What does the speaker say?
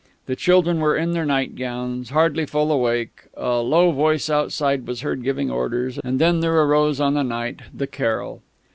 The children were in their nightgowns, hardly fully awake; a low voice outside was heard giving orders; and then there arose on the night the carol.